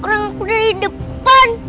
orang aku dari depan